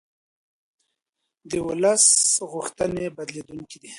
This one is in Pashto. د ولس غوښتنې بدلېدونکې دي